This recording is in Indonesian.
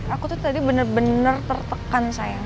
aku tuh tadi bener bener tertekan sayang